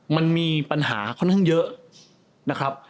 มันมีปัญหาค่อนข้างเยอะ